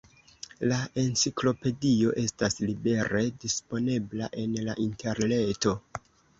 La enciklopedio estas libere disponebla en la interreto.